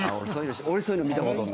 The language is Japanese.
俺そういうの見たことない。